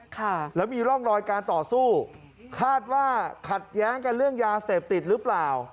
ค่ะแล้วมีร่องรอยการต่อสู้คาดว่าขัดแย้งกันเรื่องยาเสพติดหรือเปล่า